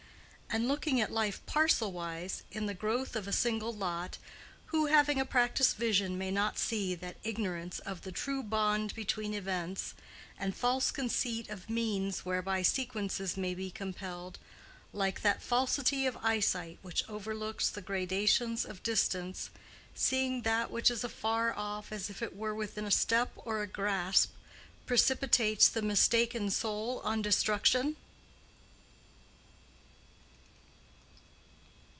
And looking at life parcel wise, in the growth of a single lot, who having a practiced vision may not see that ignorance of the true bond between events, and false conceit of means whereby sequences may be compelled—like that falsity of eyesight which overlooks the gradations of distance, seeing that which is afar off as if it were within a step or a grasp—precipitates the mistaken soul on destruction?